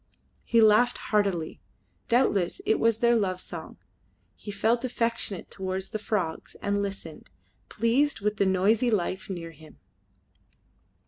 He laughed heartily; doubtless it was their love song. He felt affectionate towards the frogs and listened, pleased with the noisy life near him.